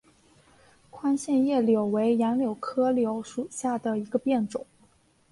宽线叶柳为杨柳科柳属下的一个变种。